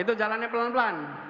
itu jalannya pelan pelan